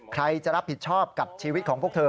ใครจะรับผิดชอบกับชีวิตของพวกเธอ